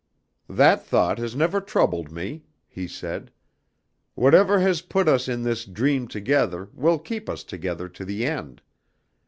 "That thought has never troubled me," he said. "Whatever has put us in this dream together will keep us together to the end.